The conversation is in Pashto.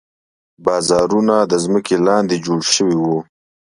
بازارونه د ځمکې لاندې جوړ شوي وو.